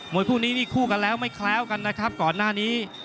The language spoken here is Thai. วยคู่นี้นี่คู่กันแล้วไม่แคล้วกันนะครับก่อนหน้านี้